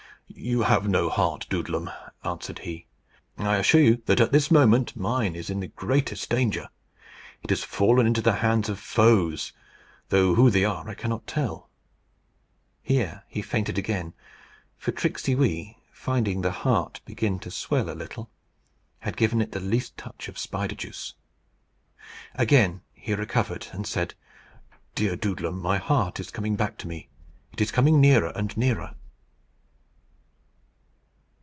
"You have no heart, Doodlem," answered he. "I assure you that at this moment mine is in the greatest danger. It has fallen into the hands of foes, though who they are I cannot tell." Here he fainted again; for Tricksey Wee, finding the heart begin to swell a little, had given it the least touch of spider juice. Again he recovered, and said, "Dear Doodlem, my heart is coming back to me. It is coming nearer and nearer."